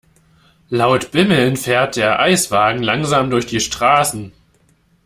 Laut bimmelnd fährt der Eiswagen langsam durch die Straßen.